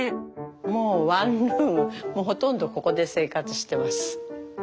もうワンルームもうほとんどここで生活してます。